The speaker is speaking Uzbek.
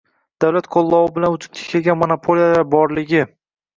davlat qo‘llovi bilan vujudga kelgan monopoliyalar borligi